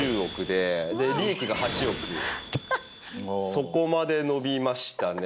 そこまで伸びましたね。